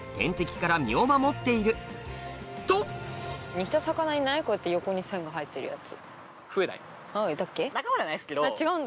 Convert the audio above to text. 一般的に体がとこうやって横に線が入ってるやつ。